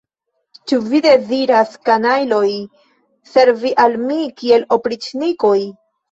Ĉu vi deziras, kanajloj, servi al mi kiel opriĉnikoj?